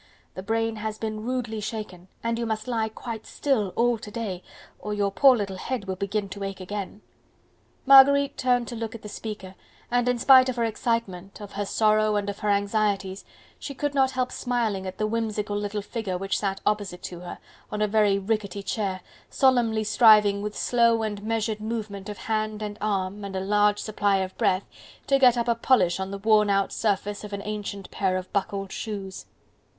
The brain has been rudely shaken... and you must lie quite still all to day, or your poor little head will begin to ache again." Marguerite turned to look at the speaker, and in spite of her excitement, of her sorrow and of her anxieties, she could not help smiling at the whimsical little figure which sat opposite to her, on a very rickety chair, solemnly striving with slow and measured movement of hand and arm, and a large supply of breath, to get up a polish on the worn out surface of an ancient pair of buckled shoes.